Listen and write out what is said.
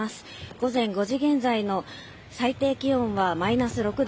午前５時現在の最低気温はマイナス６度。